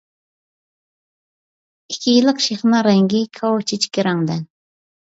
ئىككى يىللىق شېخىنىڭ رەڭگى كاۋا چېچىكى رەڭدە.